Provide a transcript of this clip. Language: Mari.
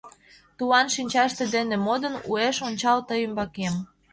Тулан шинчатше дене модын, Уэш ончал тый ӱмбакем.